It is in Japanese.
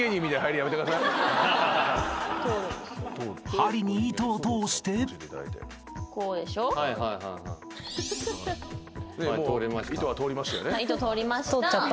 ［針に糸を通して］糸通りました。